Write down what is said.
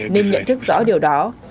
nga nhận thức rõ điều đó